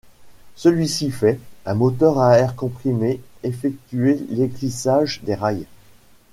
Celui-ci fait, un moteur à air comprimé effectuait l'éclissage des rails.